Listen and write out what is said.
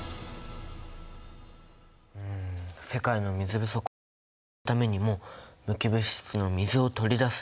うん世界の水不足を解消するためにも無機物質の水を取り出す。